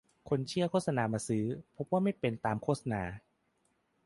คนเชื่อโฆษณามาซื้อ พบว่าไม่เป็นตามโฆษณา